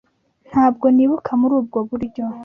Ntabwo nibuka muri ubwo buryo.